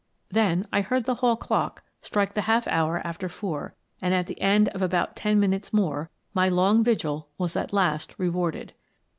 Then I heard the hall clock strike the half hour after four, and, at the end of about ten minutes more, my long vigil was at last rewarded.